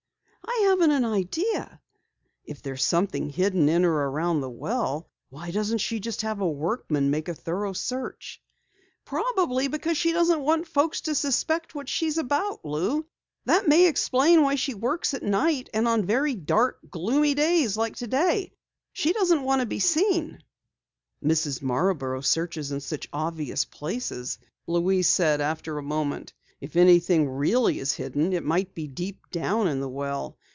"I haven't an idea." "If there's something hidden in or around the well, why doesn't she have a workman make a thorough search?" "Probably because she doesn't want folks to suspect what she is about, Lou. That may explain why she works at night and on very dark, gloomy days such as today. She doesn't wish to be seen." "Mrs. Marborough searches in such obvious places," Louise said after a moment. "If anything really is hidden it might be deep down in the well.